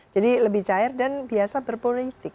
jadi lebih cair dan biasa berpoliti